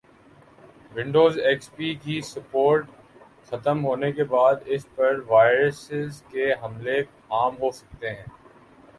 Windows X P کی support ختم ہونے کی بعد اس پر وائرسز کے حملے عام ہوسکتے ہیں